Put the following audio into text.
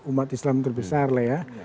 umat islam terbesar lah ya